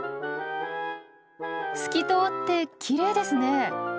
透き通ってきれいですね。